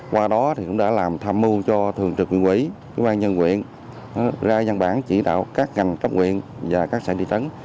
qua đó cũng đã làm tham mưu cho thường trực huyện quỹ chủ quan nhân huyện ra dân bản chỉ đạo các ngành cấp huyện và các sản thị trấn